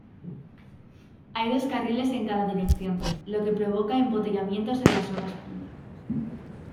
Hay dos carriles en cada dirección, lo que provoca embotellamientos en las horas punta.